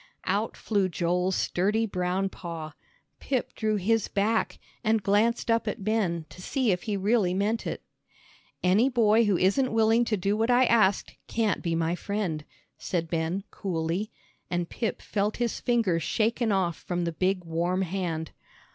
Out flew Joel's sturdy brown paw. Pip drew his back, and glanced up at Ben to see if he really meant it. "Any boy who isn't willing to do what I asked, can't be my friend," said Ben, coolly, and Pip felt his fingers shaken off from the big warm hand.